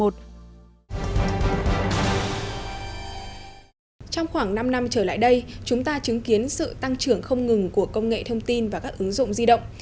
trong khoảng năm năm trở lại đây chúng ta chứng kiến sự tăng trưởng không ngừng của công nghệ thông tin và các ứng dụng di động